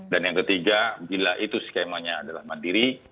dan yang ketiga bila itu skemanya adalah mandiri